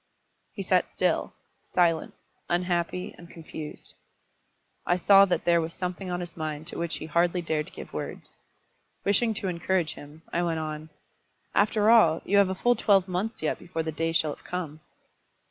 He sat still, silent, unhappy, and confused. I saw that there was something on his mind to which he hardly dared to give words. Wishing to encourage him, I went on. "After all, you have a full twelve months yet before the day shall have come."